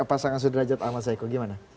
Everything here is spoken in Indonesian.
pasangan sudrajat ahmad saiku gimana